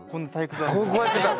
こうやってたの？